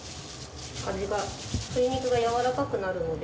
味が鶏肉が柔らかくなるので。